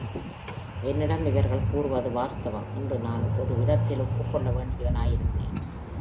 என்னிடம் இவர்கள் கூறுவது வாஸ்தவம் என்று நான் ஒருவிதத்தில் ஒப்புக் கொள்ளவேண்டியவனாயிருந்தேன்.